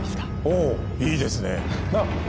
おういいですねなあ？